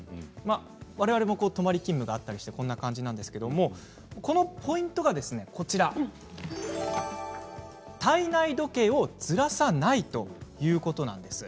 われわれも、泊まり勤務があってこんな感じなんですけれどこのポイントが、体内時計をずらさないということなんですね。